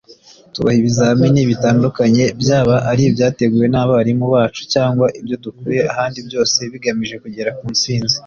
tubaha ibizamini bitandukanye byaba ari ibyateguwe n’abarimu bacu cyangwa ibyo dukuye ahandi byose bigamije kugera ku ntsinzi